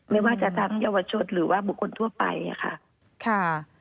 ไม่ว่าจะทั้งเยาวชนหรือว่าบุคคลทั่วไปค่ะ